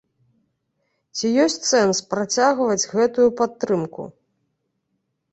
Ці ёсць сэнс працягваць гэтую падтрымку?